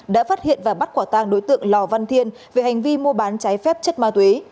đã phát hiện và bắt quả tang đối tượng lò văn thiên về hành vi mua bán trái phép chất ma túy